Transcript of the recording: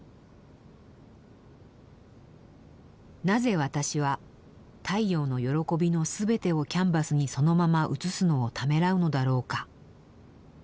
「なぜ私は太陽の喜びの全てをキャンバスにそのままうつすのをためらうのだろうか？」。